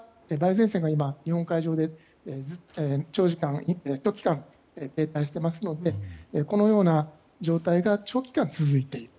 前線が今、日本海上で長期間停滞していますのでこのような状態が長期間続いている。